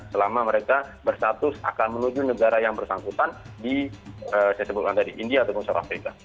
selama mereka bersatu akan menuju negara yang bersangkutan di india atau south africa